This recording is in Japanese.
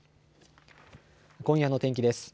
今夜の天気です。